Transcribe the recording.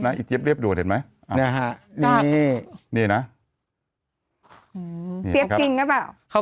อ่าเดี๋ยวเขาลงนะผมให้ดูนะ